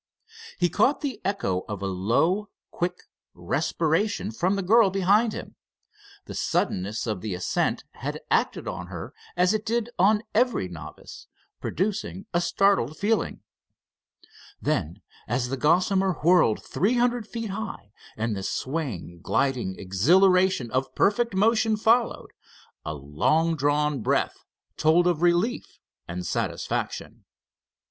He caught the echo of a low, quick respiration from the girl behind him. The suddenness of the ascent had acted on her as it did on every novice, producing a startled feeling. Then, as the Gossamer whirled three hundred feet high, and the swaying, gliding exhilaration of perfect motion followed, a long drawn breath told of relief and satisfaction.